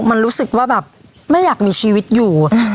มันรู้สึกว่าแบบไม่อยากมีชีวิตอยู่